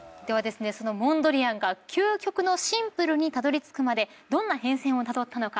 そのモンドリアンが究極のシンプルにたどりつくまでどんな変遷をたどったのか？